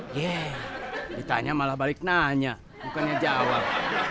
yeh ditanya malah balik nanya bukannya jawab